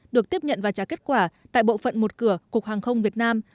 được tiếp nhận và trả kết quả tại bộ phận một cửa cục hàng không việt nam